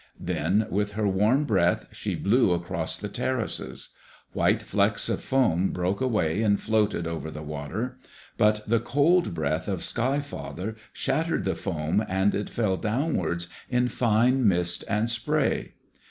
Then with her warm breath she blew across the terraces. White flecks of foam broke away and floated over the water. But the cold breath of Sky father shattered the foam and it fell downward in fine mist and spray.